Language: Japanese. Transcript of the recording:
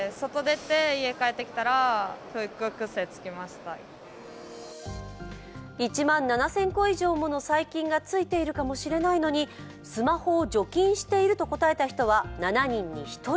しかし１万７０００個以上もの細菌がついているかもしれないのにスマホを除菌していると答えた人は７人に１人。